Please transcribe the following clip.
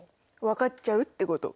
分かっちゃうってこと。